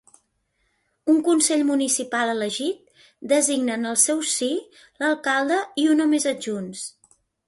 Un consell municipal elegit designa en el seu si l'alcalde i un o més adjunts.